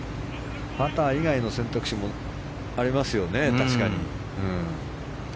パター以外の選択肢もありますよね、確かに。